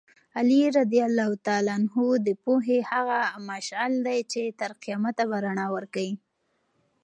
علي رض د پوهې هغه مشعل دی چې تر قیامته به رڼا ورکوي.